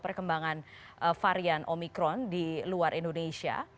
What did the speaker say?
perkembangan varian omikron di luar indonesia